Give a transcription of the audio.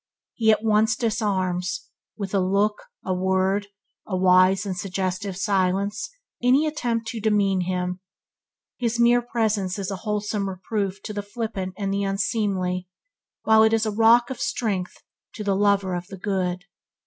He at once disarms, with a look, a word, a wise and suggestive silence, any attempt to demean him. His mere presence is a wholesome reproof to the flippant and the unseemly, while it is a rock of strength to the lover of the good.